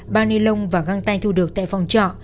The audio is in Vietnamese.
bao nilon và găng tay thu được tại phòng trọ